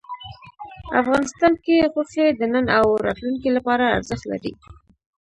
افغانستان کې غوښې د نن او راتلونکي لپاره ارزښت لري.